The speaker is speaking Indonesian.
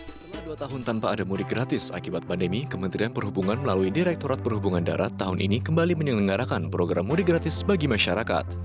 setelah dua tahun tanpa ada mudik gratis akibat pandemi kementerian perhubungan melalui direkturat perhubungan darat tahun ini kembali menyelenggarakan program mudik gratis bagi masyarakat